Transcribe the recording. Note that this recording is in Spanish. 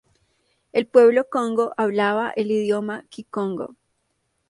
El pueblo congo hablaba el idioma kikongo.